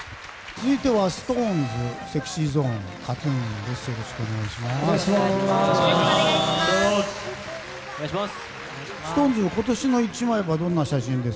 続いてはＳｉｘＴＯＮＥＳＳｅｘｙＺｏｎｅＫＡＴ‐ＴＵＮです。